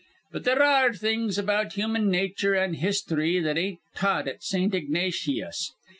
"But there ar re things about human nature an' histhry that ain't taught at Saint Ignateeus'.